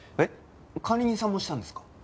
えっ管理人さんもしたんですか？